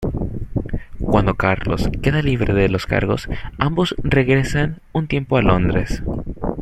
Cuando Carlos queda libre de los cargos, ambos regresan un tiempo a Londres.